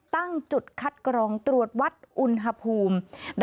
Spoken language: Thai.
ตั้งจุดคัดกรองตรวจวัดอุณหภูมิ